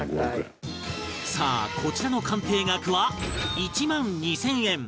さあこちらの鑑定額は１万２０００円